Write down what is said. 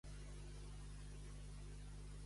Anar de meu-moix.